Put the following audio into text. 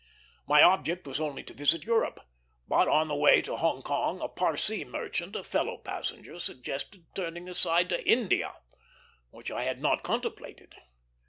My object was only to visit Europe; but on the way to Hong Kong a Parsee merchant, a fellow passenger, suggested turning aside to India, which I had not contemplated.